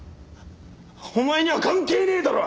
お前には関係ねえだろ！